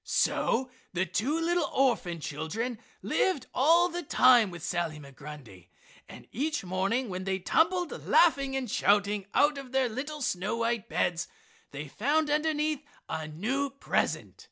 So the two little orphan children lived all the time with Sally Migrundy. And each morning when they tumbled, laughing and shouting, out of their little snow white beds, they found underneath a new present.